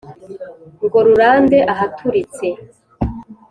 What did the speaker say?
ngo rurande ahaturitse